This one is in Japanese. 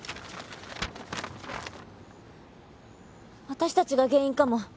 私たちが原因かも。